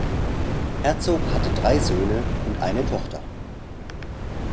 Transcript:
Herzog hatte drei Söhne und eine Tochter.